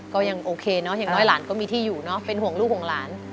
ก็ยังโอเคเนอะอย่างน้อยหลานก็มีที่อยู่เนอะเป็นห่วงลูกห่วงหลาน